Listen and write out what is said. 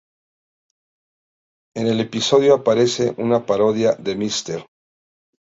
En el episodio aparece una parodia de Mr.